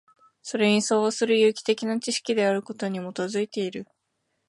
それに相応する有機的な知識であることに基いている。